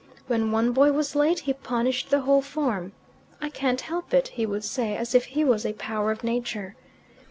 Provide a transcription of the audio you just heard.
When one boy was late, he punished the whole form. "I can't help it," he would say, as if he was a power of nature.